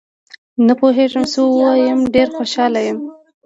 نه پوهېږم څه ووایم، ډېر خوشحال یم